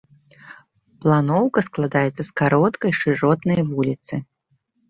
Планоўка складаецца з кароткай шыротнай вуліцы.